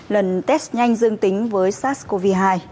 lần test nhanh dương tính với sars cov hai